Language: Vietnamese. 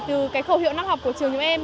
từ cái khẩu hiệu năm học của trường chúng em